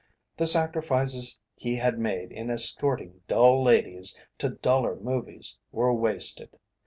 The sacrifices he had made in escorting dull ladies to duller movies were wasted.